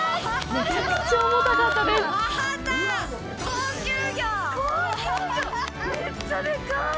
めっちゃでかい！